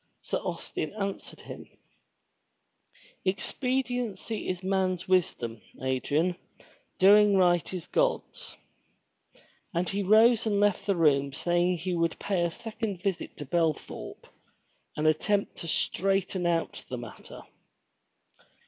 Sir Austin answered him : "Expediency is man's wisdom, Adrian. Doing right is God's." And he rose and left the room saying that he would pay a second visit to Belthorpe, and attempt to straighten out the matter.